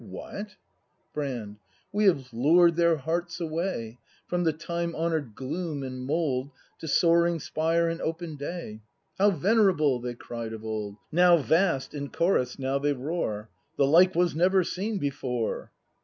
What ? Brand. We have lured their hearts away From the time honour'd gloom and mould To soaring spire and open day. "How venerable!" they cried of old. "Now vast!" in chorus now they roar — "The like was never seen before!"